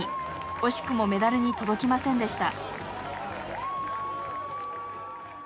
惜しくもメダルに届きませんでした。